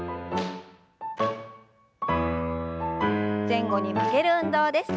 前後に曲げる運動です。